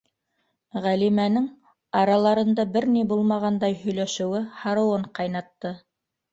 Ғәлимәнең араларында бер ни булмағандай һөйләшеүе һарыуын ҡайнатты.